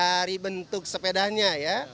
dari bentuk sepedanya